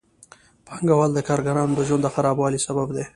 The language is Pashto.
پانګوال د کارګرانو د ژوند د خرابوالي سبب دي